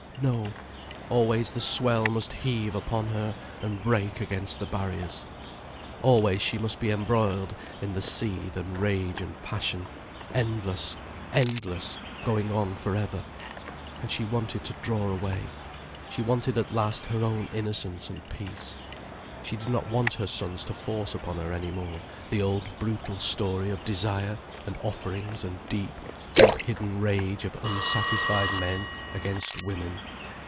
No, always the swell must heave upon her and break against the barriers. Always she must be embroiled in the seethe and rage and passion, endless, endless, going on for ever. And she wanted to draw away. She wanted at last her own innocence and peace. She did not want her sons to force upon her any more the old brutal story of desire and offerings and deep, deep hidden rage of unsatisfied men against women.